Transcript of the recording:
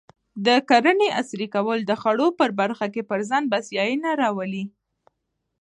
د کرنې عصري کول د خوړو په برخه کې پر ځان بسیاینه راولي.